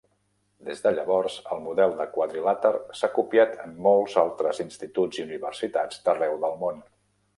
Des de llavors, el model de quadrilàter s'ha copiat en molts altres instituts i universitats d'arreu del món.